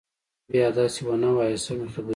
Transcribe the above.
بيا دسې ونه وايي سمې خبرې کوه.